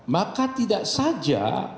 maka tidak saja